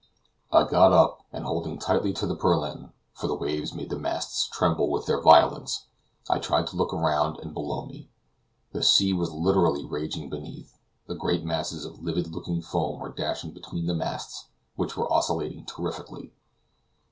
I got up, and holding tightly to the purlin for the waves made the masts tremble with their violence I tried to look around and below me. The sea was literally raging beneath, and great masses of livid looking foam were dashing between the masts, which were oscillating terrifically.